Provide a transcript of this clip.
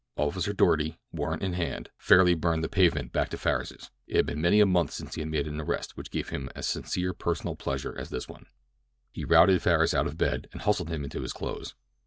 Officer Doarty, warrant in hand, fairly burned the pavement back to Farris's. It had been many a month since he had made an arrest which gave him as sincere personal pleasure as this one. He routed Farris out of bed and hustled him into his clothes.